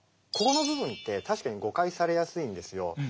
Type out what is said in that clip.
ここの部分って確かに誤解されやすいんですよ。